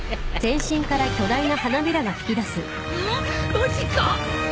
マジか！？